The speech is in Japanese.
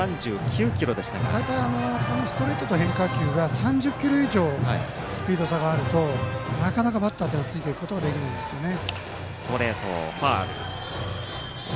大体ストレートと変化球が３０キロ以上スピード差があるとなかなかバッターは追いついていくことができないんですよね。